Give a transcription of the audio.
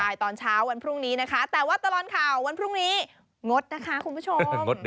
ใช่ตอนเช้าวันพรุ่งนี้นะคะแต่ว่าตลอดข่าววันพรุ่งนี้งดนะคะคุณผู้ชม